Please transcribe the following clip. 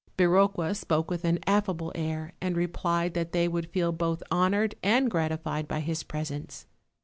Biroqua spoke with an affable air, and replied that they would feel both honored and gratified by his pres ence.